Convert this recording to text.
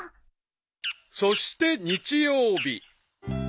［そして日曜日］